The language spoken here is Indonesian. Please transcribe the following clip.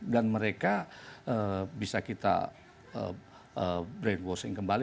dan mereka bisa kita brainwashing kembali